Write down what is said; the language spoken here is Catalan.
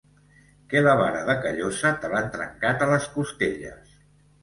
Que la vara de Callosa te l’han trencat a les costelles.